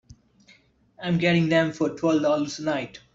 I'm getting them for twelve dollars a night.